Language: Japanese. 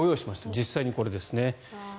実際にこれですね。